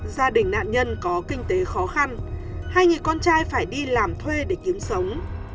gia đình nạn nhân có kinh tế khó khăn hai người con trai phải đi làm thuê để kiếm sống